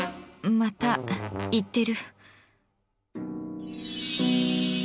また言ってる。